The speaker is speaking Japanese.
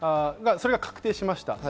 それが確定しました。